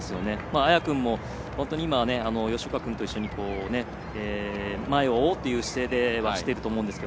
綾君も、本当に吉岡君と一緒に前を追うという姿勢はしていると思うんですが。